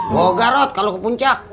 gue uga rod kalau ke puncak